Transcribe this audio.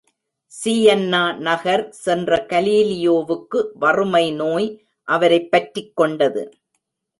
சீயன்னா நகர் சென்ற கலீலியோவுக்கு வறுமை நோய் அவரைப் பற்றிக் கொண்டது.